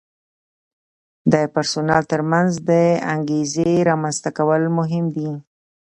د پرسونل ترمنځ د انګیزې رامنځته کول مهم دي.